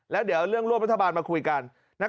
แล้วเดี๋ยวเรื่องร่วมรัฐบาลมาคุยกัน